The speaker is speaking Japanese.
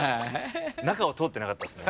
中を通ってなかったっすね。